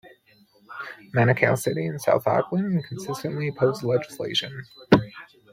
Manukau City in South Auckland consistently opposed the legislation.